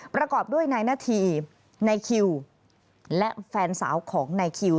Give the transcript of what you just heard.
ประกอบด้วยนายนาธีนายคิวและแฟนสาวของนายคิว